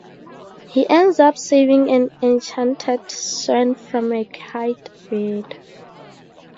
He ends up saving an enchanted swan from a kite bird.